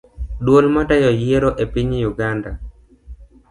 Duol matayo yiero epiny uganda